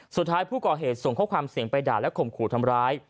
สุดท้ายผู้ก่อเหตุส่งข้อความเสียงไปด่าและข่มขู่ทำร้าย